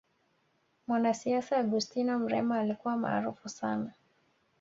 mwanasiasa augustino mrema alikuwa maarufu sana